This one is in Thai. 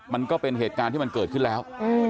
มันก็เป็นเหตุการณ์ที่มันเกิดขึ้นแล้ว